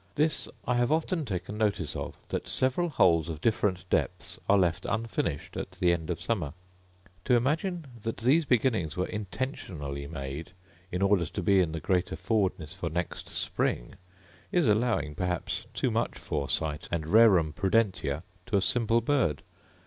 This I have often taken notice of, that several holes of different depths are left unfinished at the end of summer. To imagine that these beginnings were intentionally made in order to be in the greater forwardness for next spring, is allowing perhaps too much foresight and rerum prudentia to a simple bird.